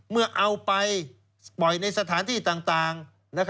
เมื่อเอาไปปล่อยในสถานที่ต่าง